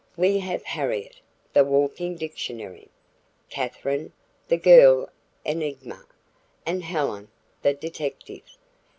We have Harriet, the walking dictionary; Katherine, the girl enigma; and Helen, the detective."